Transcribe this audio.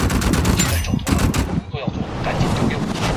维拉尔多内。